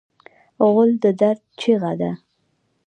غول د درد چیغه ده.